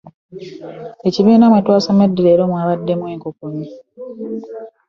Ekibiina mwe twasomedde leero mwabaddemu enkukunyi.